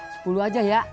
sepuluh aja ya